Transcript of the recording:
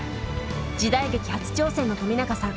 時代劇初挑戦の冨永さん。